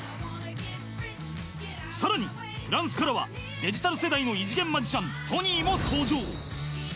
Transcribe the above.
さらにフランスからはデジタル世代の異次元マジシャントニーも登場。